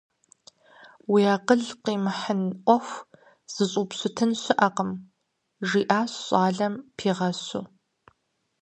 Уи акъыл къимыхьын Ӏуэху зыщӀупщытын щыӀэкъым, – жиӀащ щӀалэм пигъэщу.